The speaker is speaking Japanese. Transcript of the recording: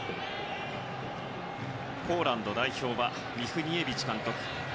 ポーランド代表はミフニエビチ監督。